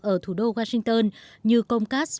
ở thủ đô washington như comcast